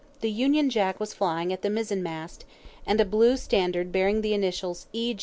The Union Jack was flying at the mizzen mast, and a blue standard bearing the initials E.